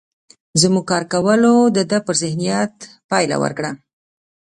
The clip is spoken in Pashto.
زموږ کار کولو د ده پر ذهنيت پايله ورکړه.